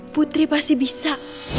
putri pasti bisa